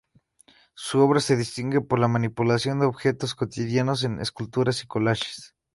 Su obra se distingue por la manipulación de objetos cotidianos en esculturas y collages.